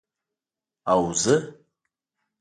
او زه،